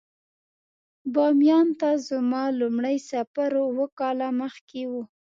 باميان ته زما لومړی سفر اووه کاله مخکې و.